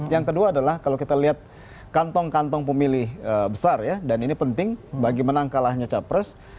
yang kedua adalah kalau kita lihat kantong kantong pemilih besar ya dan ini penting bagaimana kalahnya capres